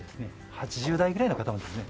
８０代ぐらいの方もですね